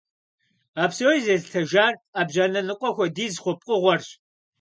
А псори зэлъытэжар Ӏэбжьанэ ныкъуэ хуэдиз хъу пкъыгъуэрщ.